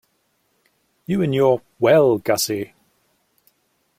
You and your 'Well, Gussie'!